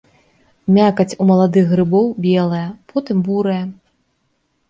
Мякаць у маладых грыбоў белая, потым бурая.